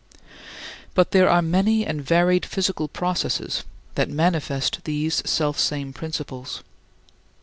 But there are many and varied physical processes that manifest these selfsame principles.